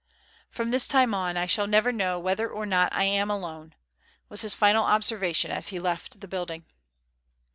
"From this time on I shall never know whether or not I am alone," was his final observation as he left the building.